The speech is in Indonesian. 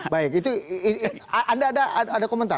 baik anda ada komentar